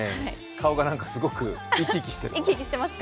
顔がなんかすごく生き生きしてる。